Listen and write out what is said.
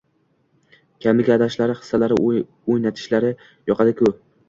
Kamiga aldashlari, hislarini o‘ynatishlari yoqadiki...